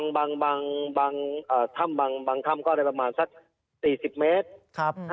บางถ้ำบางถ้ำก็ได้ประมาณสัก๔๐เมตร